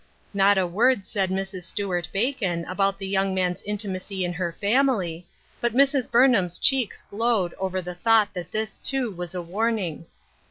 Not a word said Mrs. Stuart Bacon about the young man's intimacy in her family, but Mrs. Burnham's cheeks glowed over the thought that this, too, was a warning.